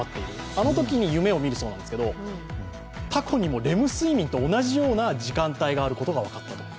あのときに夢を見るそうなんですがたこにもレム睡眠と同じような時間帯があることが分かったと。